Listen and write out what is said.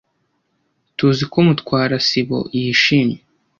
Tuziko Mutwara sibo yishimye.